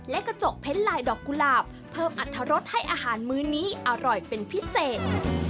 และกระจกเพ้นลายดอกกุหลาบเพิ่มอัตรรสให้อาหารมื้อนี้อร่อยเป็นพิเศษ